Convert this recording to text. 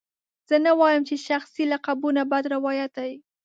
زه نه وایم چې شخصي لقبونه بد روایت دی.